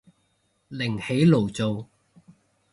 另起爐灶